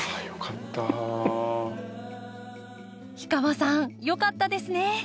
氷川さんよかったですね！